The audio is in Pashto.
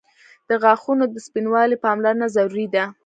• د غاښونو د سپینوالي پاملرنه ضروري ده.